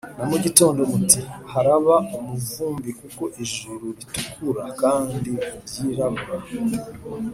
Na mu gitondo muti ‘Haraba umuvumbi kuko ijuru ritukura kandi ryirabura.’